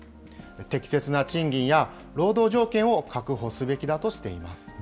適切な賃金や労働条件を確保すべきだとしています。